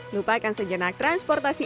lupakan sejenak transportasi